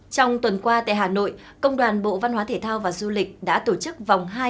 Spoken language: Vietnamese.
trong tuần qua tại hà nội công đoàn bộ văn hóa thể thao và du lịch đã tổ chức vòng hai